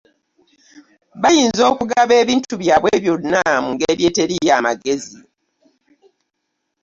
Bayinza ougaba ebintu byabwe byonna mu ngeri eteri ya magezi .